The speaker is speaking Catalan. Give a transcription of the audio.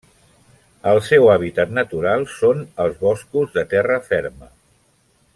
El seu hàbitat natural són els boscos de terra ferma.